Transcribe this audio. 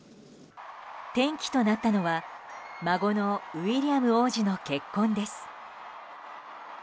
転機となったのは孫のウィリアム王子の結婚です。